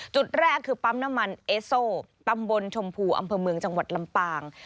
จุดแรกคือปั๊มน้ำมันเอสโซตำบลชมพูอำเภอเมืองจังหวัดลำปาง